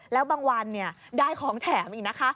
แล้วบางวันได้ของแถมอีกนะคะ